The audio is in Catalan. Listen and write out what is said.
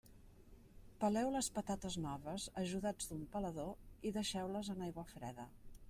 Peleu les patates noves ajudats d'un pelador i deixeu-les en aigua freda.